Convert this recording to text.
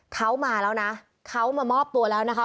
เขามาแล้วนะเขามามอบตัวแล้วนะคะ